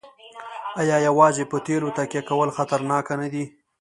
آیا یوازې په تیلو تکیه کول خطرناک نه دي؟